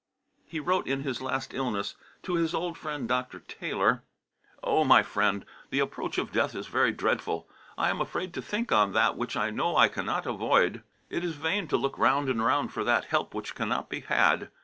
He wrote, in his last illness, to his old friend Dr. Taylor: "Oh! my friend, the approach of death is very dreadful. I am afraid to think on that which I know I cannot avoid. It is vain to look round and round for that help which cannot be had.